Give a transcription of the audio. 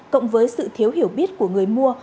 cộng với sự thiếu hiểu biết của người mua